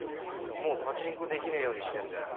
もうパチンコできねぇようにしてんだよ。